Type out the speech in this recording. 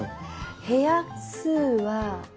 部屋数は。